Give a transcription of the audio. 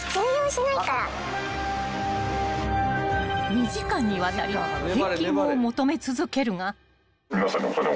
［２時間にわたり返金を求め続けるが］